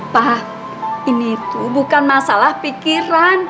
pak ini itu bukan masalah pikiran